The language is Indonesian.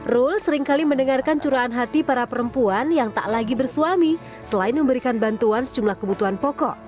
rule seringkali mendengarkan curahan hati para perempuan yang tak lagi bersuami selain memberikan bantuan sejumlah kebutuhan pokok